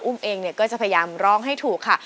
อุ้มเองเนี่ยก็จะพยายามร้องให้ถูกค่ะ